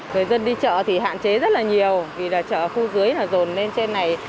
người dân đi chợ thì hạn chế rất là nhiều vì là chợ khu dưới là rồn lên trên này